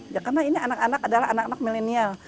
ya karena ini anak anak adalah anak anak milenial